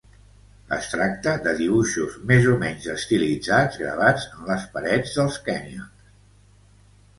Es tracta de dibuixos més o menys estilitzats, gravats en les parets dels canyons.